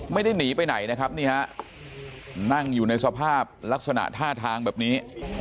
ไม่ได้หนีไปไหนนะครับนี่ฮะนั่งอยู่ในสภาพลักษณะท่าทางแบบนี้